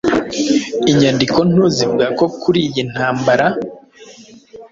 inyandiko nto zivuga ku kuri iyi ntamabra